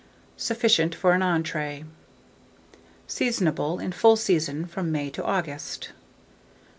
Sufficient for an entrée. Seasonable. In full season from May to August.